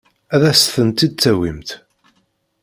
Ad as-tent-id-tawimt?